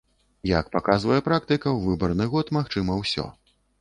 Як паказвае практыка, у выбарны год магчыма ўсё.